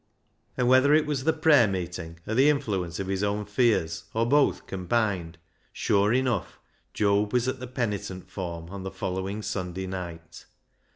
And whether it was the prayer meeting, or the influence of his own fears, or both combined, sure enough Job was at the penitent form on the following Sunday night.